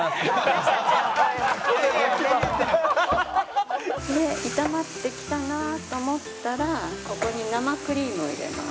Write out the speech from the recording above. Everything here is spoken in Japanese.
ハハハハ！で炒まってきたなと思ったらここに生クリームを入れます。